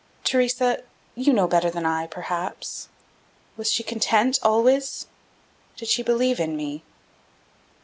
Theresa, you know better than I, perhaps. Was she content, always? Did she believe in me?"